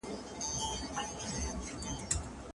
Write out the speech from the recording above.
که ږیره لرونکی سړی ډوډۍ او مڼه راوړي، ماړه به سو.